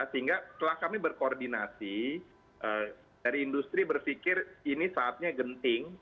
sehingga setelah kami berkoordinasi dari industri berpikir ini saatnya genting